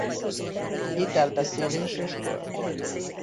Két elbeszélés és költ.